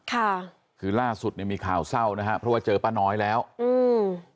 ค่ะคือล่าสุดเนี้ยมีข่าวเศร้านะฮะเพราะว่าเจอป้าน้อยแล้วอืม